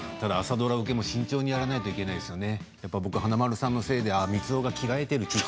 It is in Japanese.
ただ朝ドラ受けも慎重にやらないといけないですね。